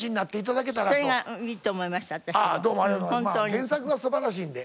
原作が素晴らしいんで。